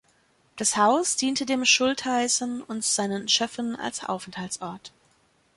Das Haus diente dem Schultheißen und seinen Schöffen als Aufenthaltsort.